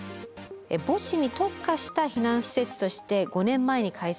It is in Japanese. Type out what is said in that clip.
母子に特化した避難施設として５年前に開設されました。